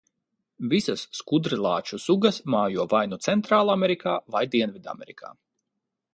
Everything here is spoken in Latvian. Visas skudrlāču sugas mājo vai nu Centrālamerikā vai Dienvidamerikā.